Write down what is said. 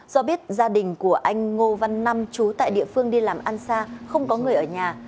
do biết gia đình của anh ngô văn năm chú tại địa phương đi làm ăn xa không có người ở nhà